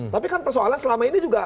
tapi kan persoalannya selama ini juga